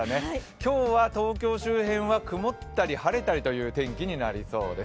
今日は東京周辺は曇ったり晴れたりという転機になりそうです。